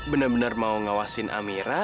bener bener mau ngawasin amira